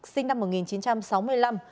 sinh năm một nghìn chín trăm sáu mươi năm